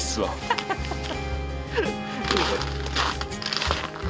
ハハハハ！